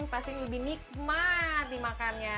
pasti lebih nikmat dimakannya